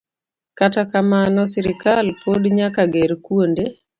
Kata kamano, sirkal pod nyaka ger kuonde